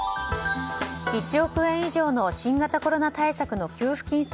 １億円以上の新型コロナ対策の給付金